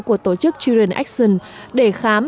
của tổ chức children action để khám